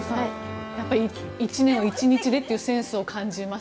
１年を１日でというセンスを感じます？